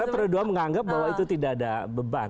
karena periode dua menganggap bahwa itu tidak ada beban